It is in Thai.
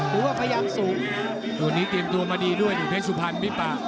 หรือว่าพยายามสูงตัวนี้เตรียมตัวมาดีด้วยอยู่เผ็ดสุภัณฑ์วิบัตร